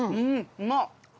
うまっ！